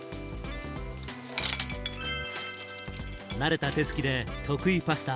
慣れた手つきで得意パスタ